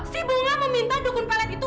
si bunga meminta dukun pelet itu